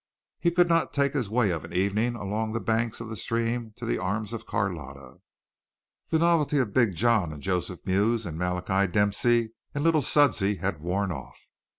He could not take his way of an evening along the banks of the stream to the arms of Carlotta. The novelty of Big John and Joseph Mews and Malachi Dempsey and Little Suddsy had worn off.